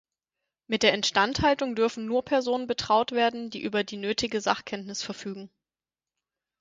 Mit der Instandhaltung dürfen nur Personen betraut werden, die über die nötige Sachkenntnis verfügen.